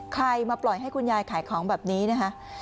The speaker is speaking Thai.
ใครมาปล่อยให้คุณยายขายของแบบนี้นะคะ